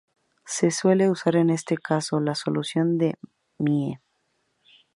Se suele usar en ese caso "la solución de Mie".